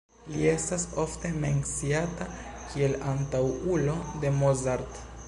Li estas ofte menciata kiel antaŭulo de Mozart.